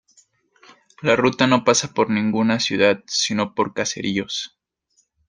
La ruta no pasa por ninguna ciudad, sino por caseríos.